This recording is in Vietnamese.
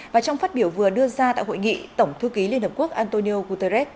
và trong phát biểu vừa đưa ra tại hội nghị tổng thư ký liên hợp quốc antonio guterres